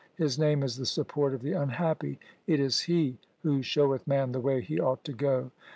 His name is the Support of the unhappy. It is He who showeth man the way he ought to go.